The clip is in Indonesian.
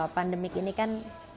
pandemik ini kan